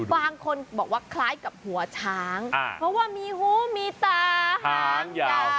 บางคนบอกว่าคล้ายกับหัวช้างเพราะว่ามีหูมีตาหางยาว